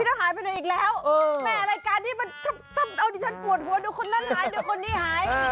ก็หายไปไหนอีกแล้วแม่รายการนี้มันเอาดิฉันปวดหัวดูคนนั้นหายเดี๋ยวคนนี้หาย